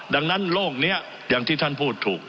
ดังนั้นโลกนี้อย่างที่ท่านพูดถูก